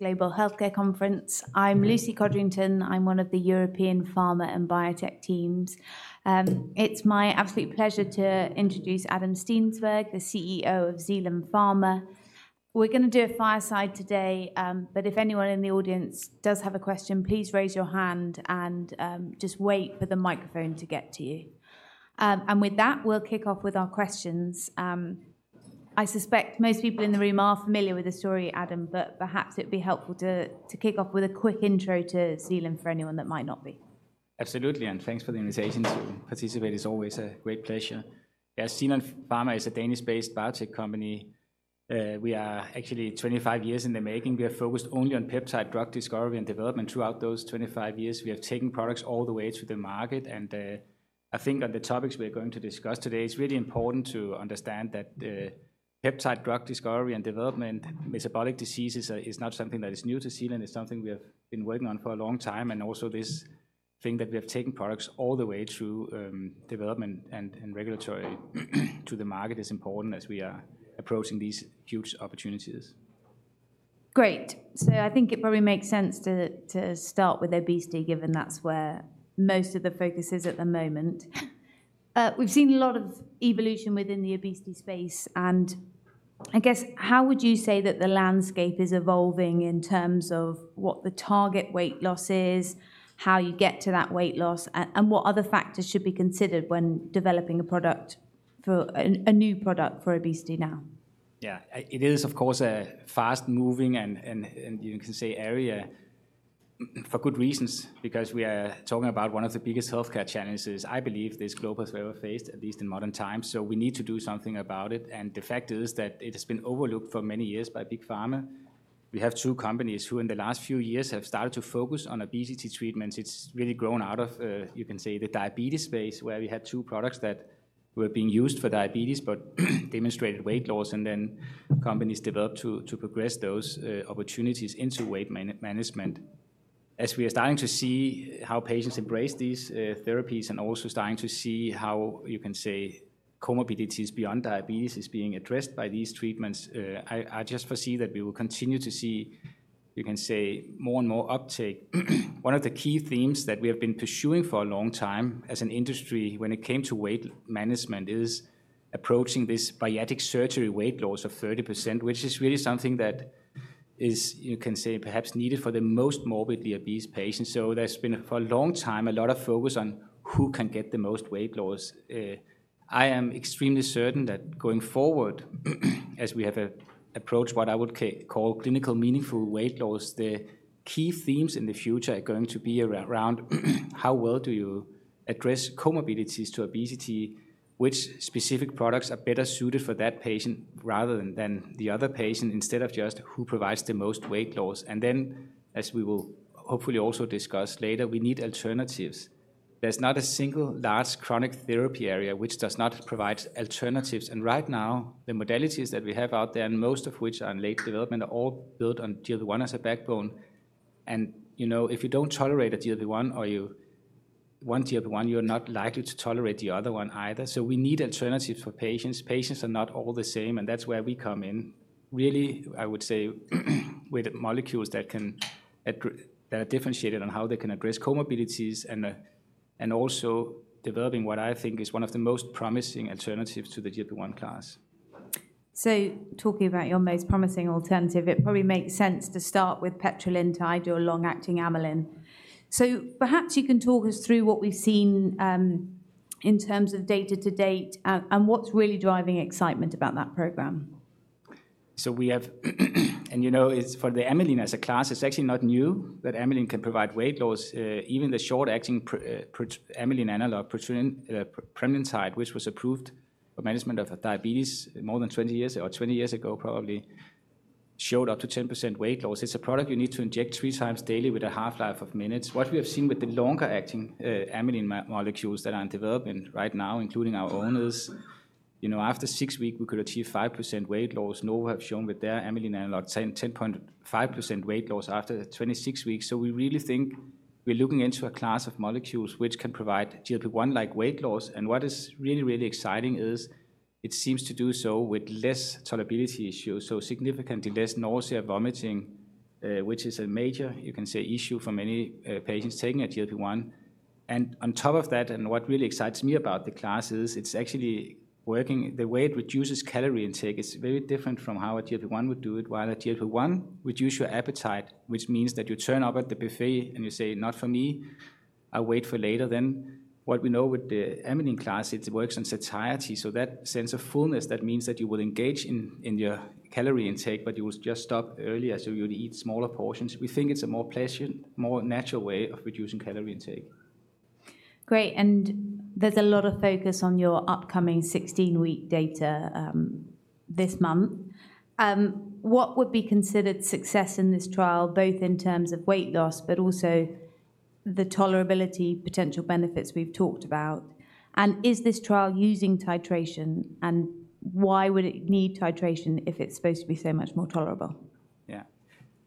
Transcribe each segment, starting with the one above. Global Healthcare Conference. I'm Lucy Codrington. I'm one of the European Pharma and Biotech team. It's my absolute pleasure to introduce Adam Steensberg, the CEO of Zealand Pharma. We're gonna do a fireside today, but if anyone in the audience does have a question, please raise your hand and just wait for the microphone to get to you. And with that, we'll kick off with our questions. I suspect most people in the room are familiar with the story, Adam, but perhaps it'd be helpful to kick off with a quick intro to Zealand for anyone that might not be. Absolutely, and thanks for the invitation to participate. It's always a great pleasure. Yeah, Zealand Pharma is a Danish-based biotech company. We are actually 25 years in the making. We are focused only on peptide drug discovery and development. Throughout those 25 years, we have taken products all the way to the market, and I think on the topics we are going to discuss today, it's really important to understand that peptide drug discovery and development, metabolic diseases are is not something that is new to Zealand. It's something we have been working on for a long time, and also this thing that we have taken products all the way through development and regulatory to the market is important as we are approaching these huge opportunities. Great. So I think it probably makes sense to, to start with obesity, given that's where most of the focus is at the moment. We've seen a lot of evolution within the obesity space, and I guess, how would you say that the landscape is evolving in terms of what the target weight loss is, how you get to that weight loss, and what other factors should be considered when developing a product for... a new product for obesity now? Yeah. It is, of course, a fast-moving and you can say area, for good reasons, because we are talking about one of the biggest healthcare challenges I believe this globe has ever faced, at least in modern times. So we need to do something about it, and the fact is that it has been overlooked for many years by big pharma. We have two companies who, in the last few years, have started to focus on obesity treatments. It's really grown out of you can say the diabetes space, where we had two products that were being used for diabetes, but demonstrated weight loss, and then companies developed to progress those opportunities into weight management. As we are starting to see how patients embrace these therapies and also starting to see how, you can say, comorbidities beyond diabetes is being addressed by these treatments, I just foresee that we will continue to see, you can say, more and more uptake. One of the key themes that we have been pursuing for a long time as an industry when it came to weight management is approaching this bariatric surgery weight loss of 30%, which is really something that is, you can say, perhaps needed for the most morbidly obese patients. So there's been, for a long time, a lot of focus on who can get the most weight loss. I am extremely certain that going forward, as we approach what I would call clinically meaningful weight loss, the key themes in the future are going to be around how well do you address comorbidities to obesity? Which specific products are better suited for that patient rather than, than the other patient, instead of just who provides the most weight loss? And then, as we will hopefully also discuss later, we need alternatives. There's not a single large chronic therapy area which does not provide alternatives, and right now, the modalities that we have out there, and most of which are in late development, are all built on GLP-1 as a backbone. And, you know, if you don't tolerate a GLP-1 or you one GLP-1, you're not likely to tolerate the other one either. So we need alternatives for patients. Patients are not all the same, and that's where we come in. Really, I would say, with molecules that are differentiated on how they can address comorbidities and, and also developing what I think is one of the most promising alternatives to the GLP-1 class. Talking about your most promising alternative, it probably makes sense to start with petrelintide, your long-acting amylin. Perhaps you can talk us through what we've seen, in terms of data to date, and what's really driving excitement about that program. So we have, and, you know, it's for the amylin as a class, it's actually not new, that amylin can provide weight loss. Even the short-acting pr- pr- amylin analog, pramlintide, which was approved for management of, diabetes more than 20 years or 20 years ago, probably, showed up to 10% weight loss. It's a product you need to inject three times daily with a half-life of minutes. What we have seen with the longer-acting, amylin molecules that are in development right now, including our own, is, you know, after 6 weeks, we could achieve 5% weight loss. Novo have shown with their amylin analog 10, 10.5% weight loss after 26 weeks. So we really think we're looking into a class of molecules which can provide GLP-1-like weight loss, and what is really, really exciting is it seems to do so with less tolerability issues, so significantly less nausea, vomiting, which is a major, you can say, issue for many patients taking a GLP-1. And on top of that, and what really excites me about the class is it's actually working. The way it reduces calorie intake is very different from how a GLP-1 would do it. While a GLP-1 would reduce your appetite, which means that you turn up at the buffet and you say, "Not for me, I'll wait for later," then what we know with the amylin class, it works on satiety. So that sense of fullness, that means that you will engage in your calorie intake, but you will just stop earlier, so you'd eat smaller portions. We think it's a more pleasant, more natural way of reducing calorie intake. Great, and there's a lot of focus on your upcoming 16-week data, this month. What would be considered success in this trial, both in terms of weight loss, but also the tolerability potential benefits we've talked about? And is this trial using titration, and why would it need titration if it's supposed to be so much more tolerable? Yeah.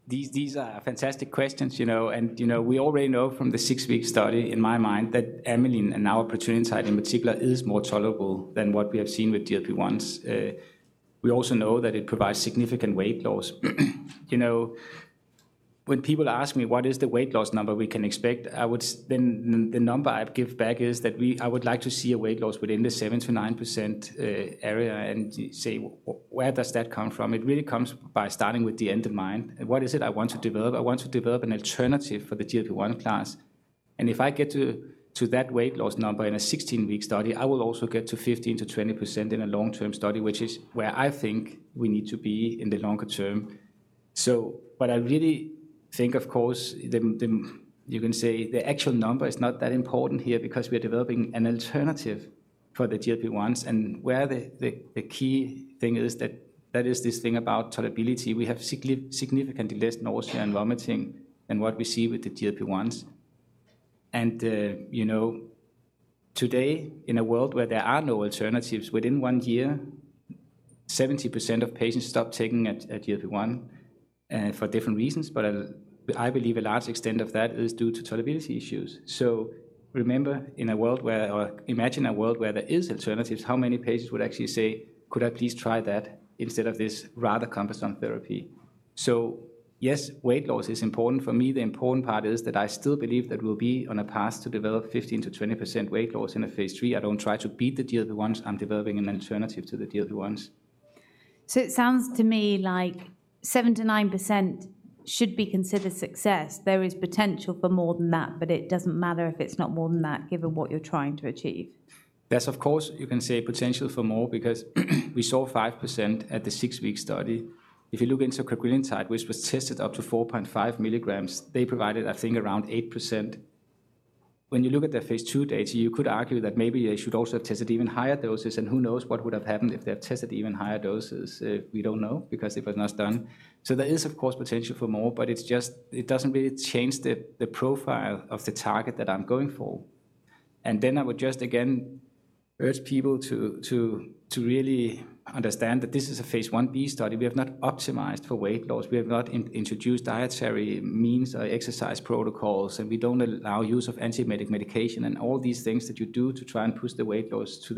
These, these are fantastic questions, you know. You know, we already know from the six-week study, in my mind, that amylin and our pramlintide in particular, is more tolerable than what we have seen with GLP-1s. We also know that it provides significant weight loss. You know, when people ask me what is the weight loss number we can expect, I would then, the number I'd give back is I would like to see a weight loss within the 7%-9% area, and say, where does that come from? It really comes by starting with the end in mind, and what is it I want to develop? I want to develop an alternative for the GLP-1 class, and if I get to that weight loss number in a 16-week study, I will also get to 15%-20% in a long-term study, which is where I think we need to be in the longer term. So, but I really think, of course, the, you can say the actual number is not that important here because we are developing an alternative for the GLP-1s, and where the key thing is that is this thing about tolerability. We have significantly less nausea and vomiting than what we see with the GLP-1s. You know, today, in a world where there are no alternatives, within one year, 70% of patients stop taking a GLP-1 for different reasons, but I believe a large extent of that is due to tolerability issues. So remember, in a world where, or imagine a world where there is alternatives, how many patients would actually say, "Could I please try that instead of this rather cumbersome therapy?" So yes, weight loss is important. For me, the important part is that I still believe that we'll be on a path to develop 15%-20% weight loss in a phase III. I don't try to beat the GLP-1s, I'm developing an alternative to the GLP-1s. It sounds to me like 7%-9% should be considered success. There is potential for more than that, but it doesn't matter if it's not more than that, given what you're trying to achieve. There's, of course, you can say potential for more because we saw 5% at the six-week study. If you look into cagrilintide, which was tested up to 4.5 milligrams, they provided, I think, around 8%. When you look at the phase II data, you could argue that maybe they should also have tested even higher doses, and who knows what would have happened if they had tested even higher doses. We don't know because it was not done. So there is, of course, potential for more, but it's just, it doesn't really change the, the profile of the target that I'm going for. And then I would just again urge people to, to, to really understand that this is a Phase 1b study. We have not optimized for weight loss. We have not introduced dietary means or exercise protocols, and we don't allow use of antibiotic medication and all these things that you do to try and push the weight loss to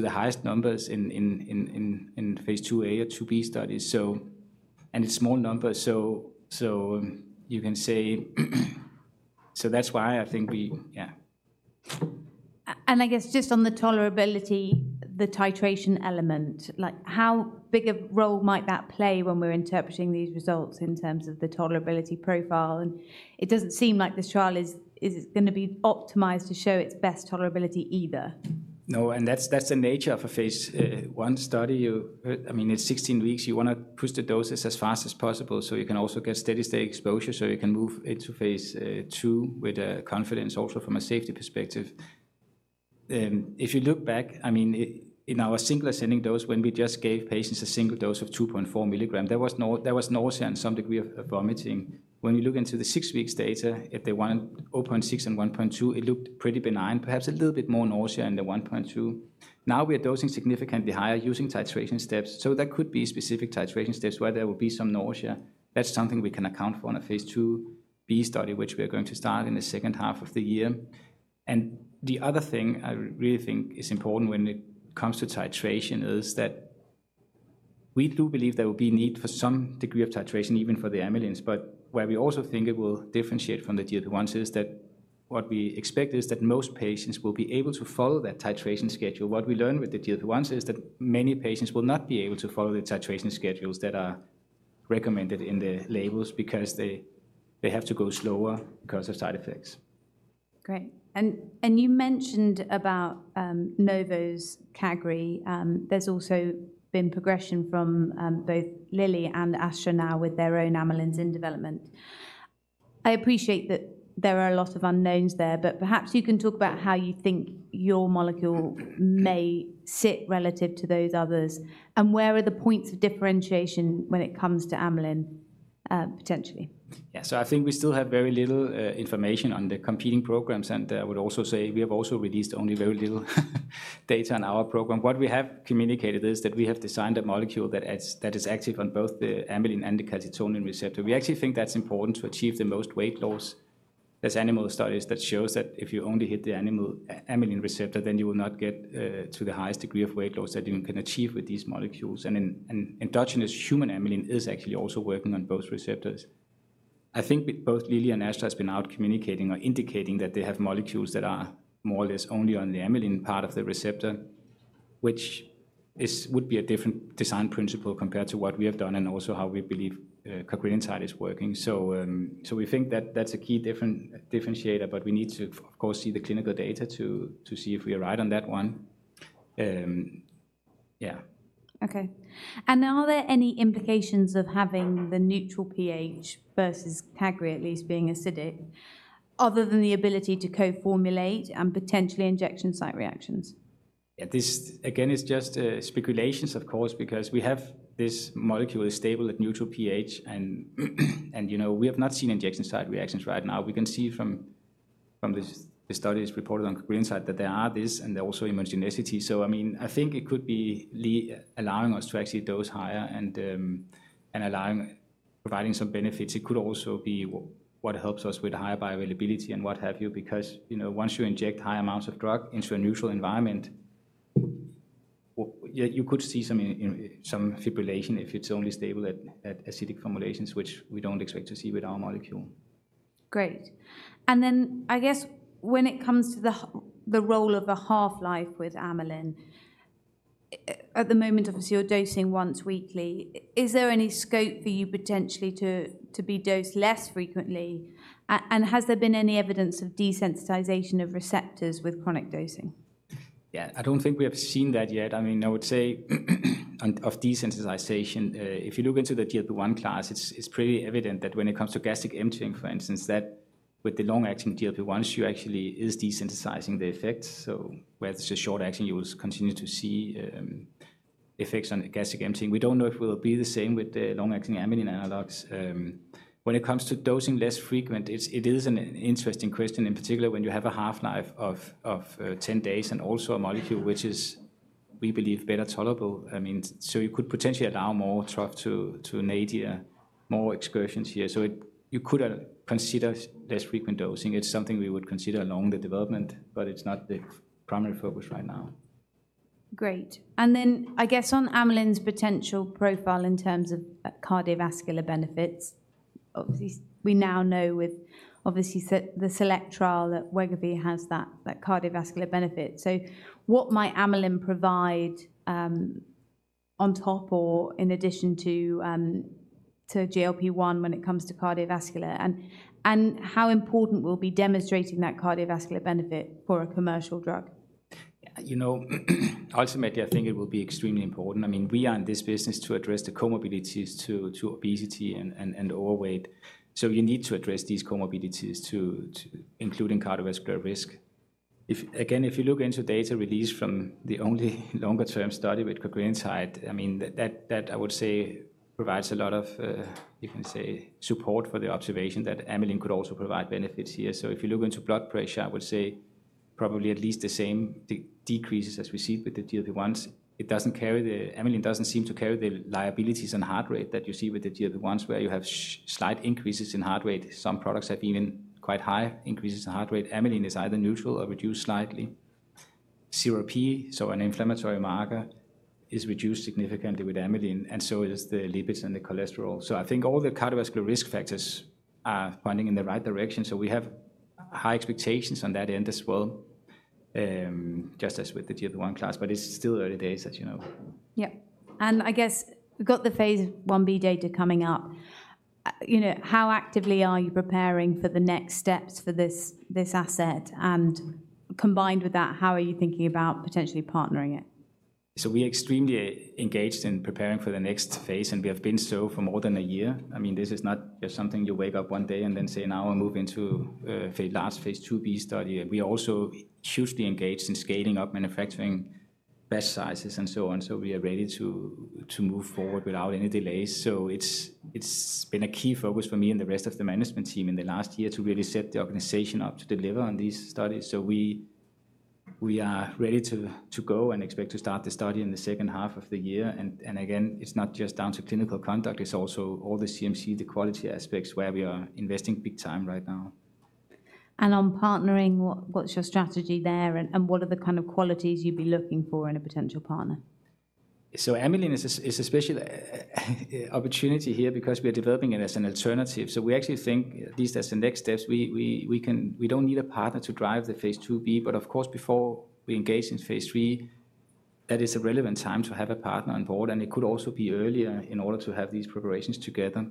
the highest numbers in phase II-A or II-B studies. So... And it's small numbers, so you can say, that's why I think we... Yeah. And I guess just on the tolerability, the titration element, like, how big a role might that play when we're interpreting these results in terms of the tolerability profile? It doesn't seem like this trial is gonna be optimized to show its best tolerability either. No, and that's the nature of a phase I study. I mean, it's 16 weeks. You wanna push the doses as fast as possible, so you can also get steady state exposure, so you can move into phase II with confidence also from a safety perspective. If you look back, I mean, in our single ascending dose, when we just gave patients a single dose of 2.4 milligrams, there was no, there was nausea and some degree of vomiting. When you look into the 6 weeks data, if they want 0.6 and 1.2, it looked pretty benign, perhaps a little bit more nausea in the 1.2. Now, we are dosing significantly higher using titration steps, so there could be specific titration steps where there will be some nausea. That's something we can account for on a Phase IIb study, which we are going to start in the second half of the year. The other thing I really think is important when it comes to titration is that we do believe there will be need for some degree of titration, even for the amylins. But where we also think it will differentiate from the GLP-1s is that what we expect is that most patients will be able to follow that titration schedule. What we learn with the GLP-1s is that many patients will not be able to follow the titration schedules that are recommended in the labels because they, they have to go slower because of side effects. Great. And you mentioned about Novo's Cagri. There's also been progression from both Lilly and Astra now with their own amylins in development. I appreciate that there are a lot of unknowns there, but perhaps you can talk about how you think your molecule may sit relative to those others, and where are the points of differentiation when it comes to amylin, potentially? Yeah. So I think we still have very little information on the competing programs, and I would also say we have also released only very little data on our program. What we have communicated is that we have designed a molecule that is active on both the amylin and the calcitonin receptor. We actually think that's important to achieve the most weight loss. There's animal studies that shows that if you only hit the amylin receptor, then you will not get to the highest degree of weight loss that you can achieve with these molecules. And in endogenous human amylin is actually also working on both receptors. I think both Lilly and Astra has been out communicating or indicating that they have molecules that are more or less only on the amylin part of the receptor, which would be a different design principle compared to what we have done and also how we believe cagrilintide is working. So, so we think that that's a key differentiator, but we need to, of course, see the clinical data to see if we are right on that one. Yeah. Okay. Are there any implications of having the neutral pH versus Cagri at least being acidic, other than the ability to co-formulate and potentially injection site reactions? Yeah, this, again, is just speculations, of course, because we have this molecule is stable at neutral pH, and you know, we have not seen injection site reactions right now. We can see from the studies reported on cagrilintide that there are this, and there are also homogeneity. So, I mean, I think it could be allowing us to actually dose higher and allowing providing some benefits. It could also be what helps us with higher bioavailability and what have you, because, you know, once you inject high amounts of drug into a neutral environment you could see some, you know, some fibrillation if it's only stable at acidic formulations, which we don't expect to see with our molecule. Great. And then, I guess when it comes to the role of a half-life with amylin, at the moment, obviously, you're dosing once weekly. Is there any scope for you potentially to be dosed less frequently? And has there been any evidence of desensitization of receptors with chronic dosing? Yeah, I don't think we have seen that yet. I mean, and of desensitization, if you look into the GLP-1 class, it's pretty evident that when it comes to gastric emptying, for instance, that with the long-acting GLP-1s, you actually is desensitizing the effects. So where it's a short-acting, you will continue to see, effects on the gastric emptying. We don't know if it will be the same with the long-acting amylin analogs. When it comes to dosing less frequent, it is an interesting question, in particular, when you have a half-life of 10 days and also a molecule which is, we believe, better tolerable. I mean, so you could potentially allow more drug to an ADI, more excursions here. So you could consider less frequent dosing. It's something we would consider along the development, but it's not the primary focus right now. Great. And then, I guess on amylin’s potential profile in terms of, cardiovascular benefits, obviously, we now know with, obviously, the SELECT trial that Wegovy has that, that cardiovascular benefit. So what might amylin provide, on top or in addition to, to GLP-1 when it comes to cardiovascular? And how important will be demonstrating that cardiovascular benefit for a commercial drug? You know, ultimately, I think it will be extremely important. I mean, we are in this business to address the comorbidities to obesity and overweight. So you need to address these comorbidities, including cardiovascular risk. Again, if you look into data released from the only longer-term study with cagrilintide, I mean, that I would say provides a lot of, you can say, support for the observation that amylin could also provide benefits here. So if you look into blood pressure, I would say probably at least the same decreases as we see with the GLP-1s. Amylin doesn't seem to carry the liabilities and heart rate that you see with the GLP-1s, where you have slight increases in heart rate. Some products have seen quite high increases in heart rate. Amylin is either neutral or reduced slightly. CRP, so an inflammatory marker, is reduced significantly with amylin, and so is the lipids and the cholesterol. So I think all the cardiovascular risk factors are pointing in the right direction, so we have high expectations on that end as well, just as with the GLP-1 class, but it's still early days, as you know. Yep. And I guess we've got the phase 1b data coming up. You know, how actively are you preparing for the next steps for this, this asset? And combined with that, how are you thinking about potentially partnering it? So we're extremely engaged in preparing for the next phase, and we have been so for more than a year. I mean, this is not just something you wake up one day and then say, "Now I'm moving to a phase, last phase II-B study." We are also hugely engaged in scaling up manufacturing, batch sizes, and so on, so we are ready to move forward without any delays. So it's been a key focus for me and the rest of the management team in the last year to really set the organization up to deliver on these studies. So we are ready to go and expect to start the study in the second half of the year. And again, it's not just down to clinical conduct, it's also all the CMC, the quality aspects, where we are investing big time right now. On partnering, what, what's your strategy there, and, and what are the kind of qualities you'd be looking for in a potential partner? So amylin is a special opportunity here because we are developing it as an alternative. So we actually think, at least as the next steps, we can we don't need a partner to drive the phase IIB, but of course, before we engage in phase III, that is a relevant time to have a partner on board, and it could also be earlier in order to have these preparations together.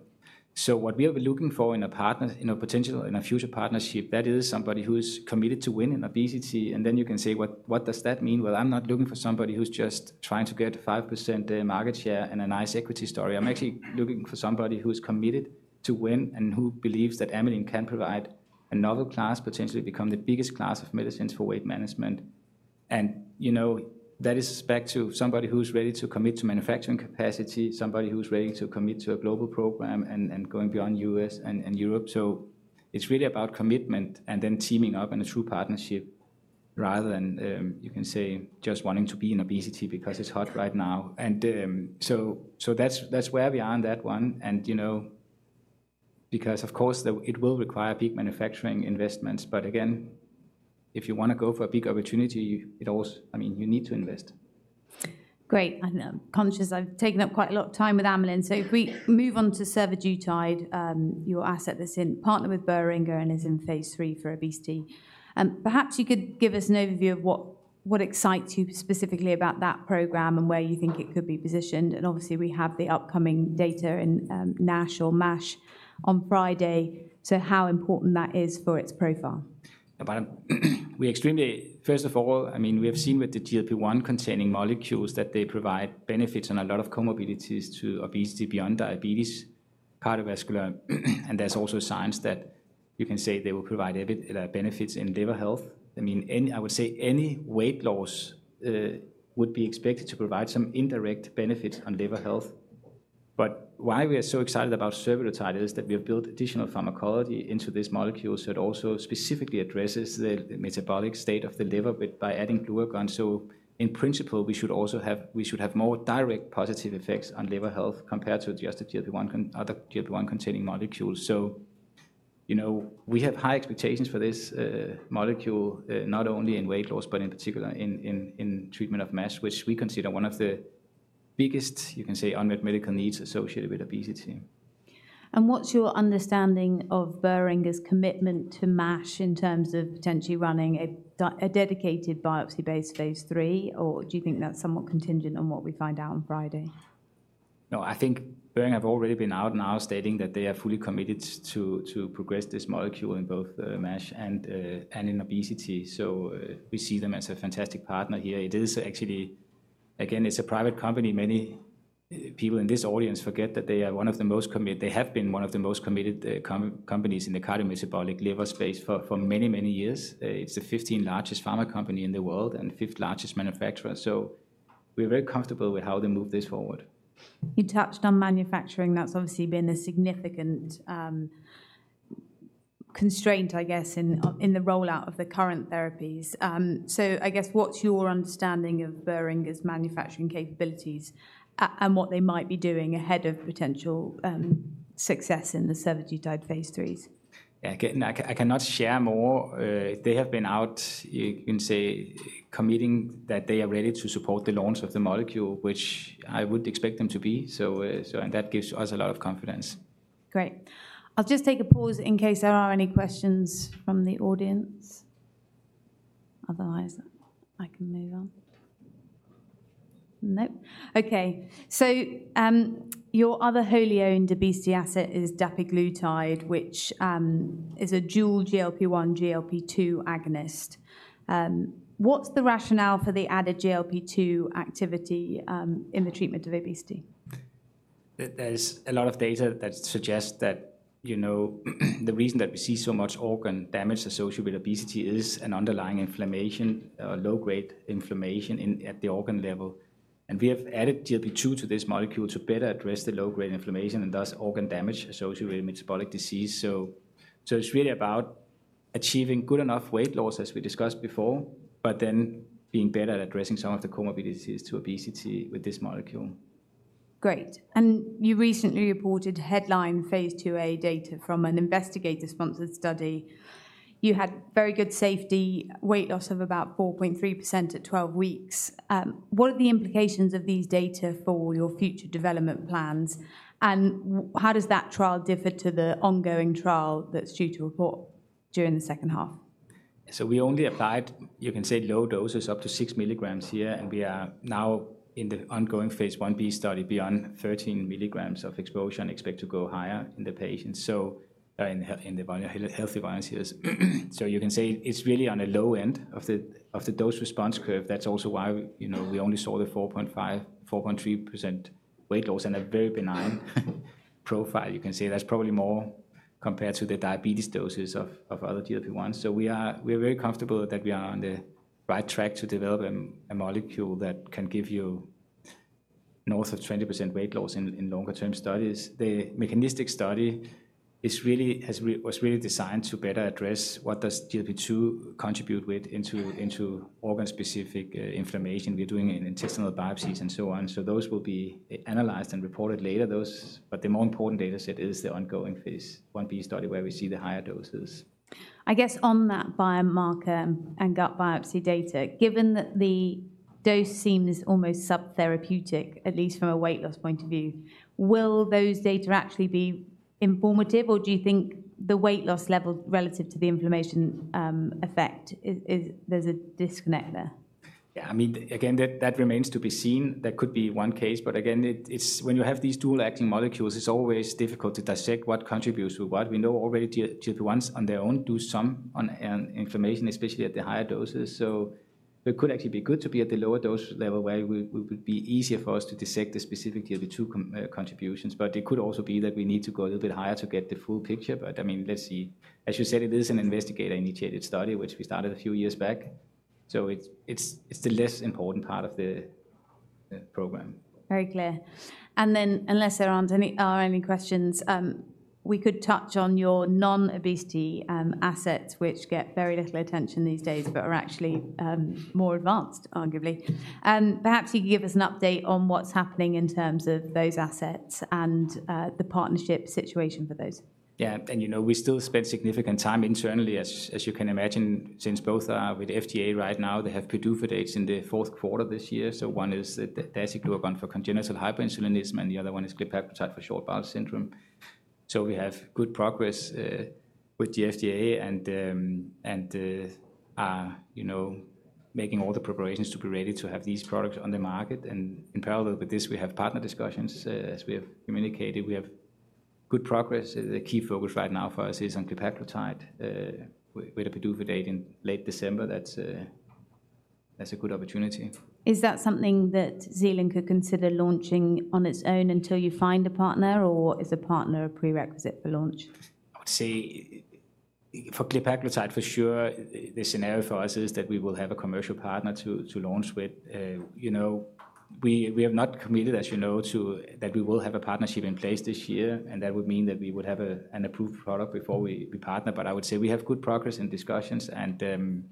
So what we are looking for in a partner, in a potential, in a future partnership, that is somebody who is committed to win in obesity, and then you can say: What does that mean? Well, I'm not looking for somebody who's just trying to get 5% market share and a nice equity story. I'm actually looking for somebody who is committed to win and who believes that amylin can provide another class, potentially become the biggest class of medicines for weight management. And, you know, that is back to somebody who's ready to commit to manufacturing capacity, somebody who's ready to commit to a global program and, and going beyond U.S. and, and Europe. So it's really about commitment and then teaming up in a true partnership rather than, you can say, just wanting to be in obesity because it's hot right now. And, so, so that's, that's where we are on that one, and, you know, because, of course, the it will require big manufacturing investments, but again, if you want to go for a big opportunity, it also... I mean, you need to invest. Great. I'm conscious I've taken up quite a lot of time with amylin. So if we move on to survodutide, your asset that's in partnership with Boehringer Ingelheim and is in phase III for obesity. Perhaps you could give us an overview of what, what excites you specifically about that program and where you think it could be positioned. And obviously, we have the upcoming data in NASH or MASH on Friday, so how important that is for its profile? But, first of all, I mean, we have seen with the GLP-1 containing molecules that they provide benefits and a lot of comorbidities to obesity beyond diabetes, cardiovascular. And there's also signs that you can say they will provide evident benefits in liver health. I mean, any, I would say any weight loss would be expected to provide some indirect benefits on liver health. But why we are so excited about survodutide is that we have built additional pharmacology into this molecule, so it also specifically addresses the metabolic state of the liver by adding glucagon. So in principle, we should also have we should have more direct positive effects on liver health compared to just the GLP-1, other GLP-1 containing molecules. So... You know, we have high expectations for this molecule, not only in weight loss, but in particular in treatment of MASH, which we consider one of the biggest, you can say, unmet medical needs associated with obesity. What's your understanding of Boehringer's commitment to MASH in terms of potentially running a dedicated biopsy-based phase III? Or do you think that's somewhat contingent on what we find out on Friday? No, I think Boehringer have already been out now stating that they are fully committed to progress this molecule in both MASH and in obesity. So, we see them as a fantastic partner here. It is actually, again, it's a private company. Many people in this audience forget that they are one of the most committed companies in the cardiometabolic liver space for many, many years. It's the fifteenth largest pharma company in the world and fifth largest manufacturer, so we're very comfortable with how they move this forward. You touched on manufacturing. That's obviously been a significant constraint, I guess, in the rollout of the current therapies. So I guess, what's your understanding of Boehringer's manufacturing capabilities and what they might be doing ahead of potential success in the survodutide-type phase IIIs? Yeah, again, I cannot share more. They have been out, you can say, committing that they are ready to support the launch of the molecule, which I would expect them to be. So, so and that gives us a lot of confidence. Great. I'll just take a pause in case there are any questions from the audience. Otherwise, I can move on. Nope? Okay. Your other wholly-owned obesity asset is dapiglutide, which is a dual GLP-1, GLP-2 agonist. What's the rationale for the added GLP-2 activity in the treatment of obesity? There's a lot of data that suggests that, you know, the reason that we see so much organ damage associated with obesity is an underlying inflammation, a low-grade inflammation in, at the organ level. We have added GLP-2 to this molecule to better address the low-grade inflammation and thus organ damage associated with metabolic disease. So it's really about achieving good enough weight loss, as we discussed before, but then being better at addressing some of the comorbidities to obesity with this molecule. Great. And you recently reported headline phase IIa data from an investigator-sponsored study. You had very good safety, weight loss of about 4.3% at 12 weeks. What are the implications of these data for your future development plans, and how does that trial differ to the ongoing trial that's due to report during the second half? So we only applied, you can say, low doses, up to 6 milligrams here, and we are now in the ongoing phase IB study beyond 13 milligrams of exposure and expect to go higher in the patients. So, in the healthy volunteers. So you can say it's really on the low end of the dose-response curve. That's also why, you know, we only saw the 4.5, 4.3% weight loss and a very benign profile. You can say that's probably more compared to the diabetes doses of other GLP-1. So we're very comfortable that we are on the right track to develop a molecule that can give you north of 20% weight loss in longer term studies. The mechanistic study was really designed to better address what does GLP-2 contribute with, into organ-specific inflammation. We're doing it in intestinal biopsies and so on, so those will be analyzed and reported later, those... But the more important data set is the ongoing Phase 1b study, where we see the higher doses. I guess on that biomarker and gut biopsy data, given that the dose seems almost subtherapeutic, at least from a weight loss point of view, will those data actually be informative, or do you think the weight loss level relative to the inflammation effect is there a disconnect there? Yeah, I mean, again, that, that remains to be seen. That could be one case, but again, it, it's when you have these dual-acting molecules, it's always difficult to dissect what contributes to what. We know already GLP-1s on their own do some on inflammation, especially at the higher doses. So it could actually be good to be at the lower dose level, where we, it would be easier for us to dissect the specific GLP-2 contributions. But it could also be that we need to go a little bit higher to get the full picture. But, I mean, let's see. As you said, it is an investigator-initiated study, which we started a few years back, so it's, it's, it's the less important part of the program. Very clear. And then, unless there aren't any, are any questions, we could touch on your non-obesity assets, which get very little attention these days, but are actually more advanced, arguably. Perhaps you could give us an update on what's happening in terms of those assets and the partnership situation for those. Yeah, and you know, we still spend significant time internally, as you can imagine, since both are with FDA right now. They have PDUFA dates in the fourth quarter this year. So one is the dasiglucagon for congenital hyperinsulinism, and the other one is glepaglutide for short bowel syndrome. So we have good progress with the FDA and are, you know, making all the preparations to be ready to have these products on the market. And in parallel with this, we have partner discussions. As we have communicated, we have good progress. The key focus right now for us is on glepaglutide with a PDUFA date in late December. That's a good opportunity. Is that something that Zealand could consider launching on its own until you find a partner, or is a partner a prerequisite for launch? I would say for glepaglutide, for sure, the scenario for us is that we will have a commercial partner to launch with. You know, we have not committed, as you know, to that we will have a partnership in place this year, and that would mean that we would have an approved product before we partner. But I would say we have good progress in discussions, and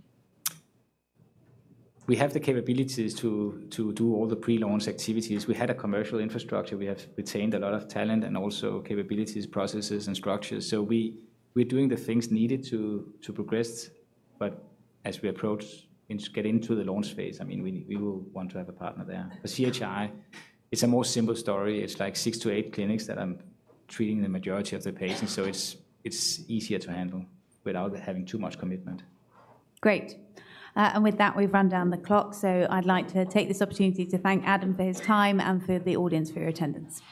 we have the capabilities to do all the pre-launch activities. We had a commercial infrastructure. We have retained a lot of talent and also capabilities, processes, and structures. So we're doing the things needed to progress, but as we approach in getting to the launch phase, I mean, we will want to have a partner there. For CHI, it's a more simple story. It's like 6-8 clinics that are treating the majority of the patients, so it's easier to handle without having too much commitment. Great. And with that, we've run down the clock, so I'd like to take this opportunity to thank Adam for his time and for the audience for your attendance.